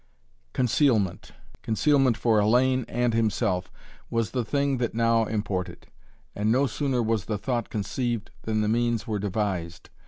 Concealment concealment for Hellayne and himself was the thing that now imported, and no sooner was the thought conceived than the means were devised.